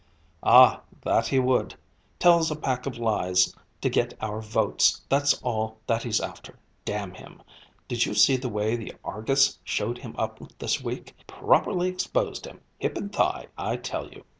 "Ah, that he would. Tells a pack of lies to get our votes, that's all that he's after, damn him. Did you see the way the Argus showed him up this week? Properly exposed him, hip and thigh, I tell you."